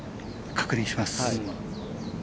確認します。